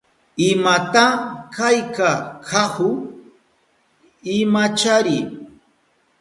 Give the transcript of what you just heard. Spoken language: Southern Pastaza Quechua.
¿Imata kayka kahu? Imachari.